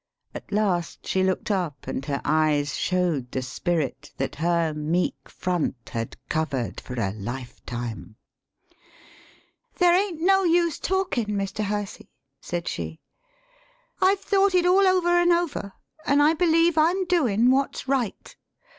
At last she looked up, and her eyes 174 THE SHORT STORY showed the spirit that her meek front had cov ered for a lifetime.] "There ain't no use talkin', Mr. Hersey," said she. "I've thought it all over an' over, an' I believe I'm doin' what's right.